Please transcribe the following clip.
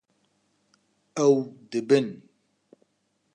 Ew dibin